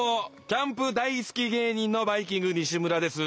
キャンプ大好き芸人のバイきんぐ西村です。